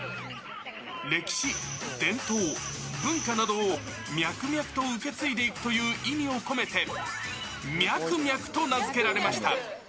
歴史、伝統、文化などを脈々と受け継いでいくという意味を込めて、ミャクミャクと名付けられました。